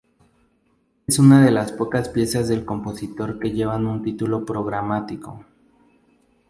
Es una de las pocas piezas del compositor que llevan un título programático.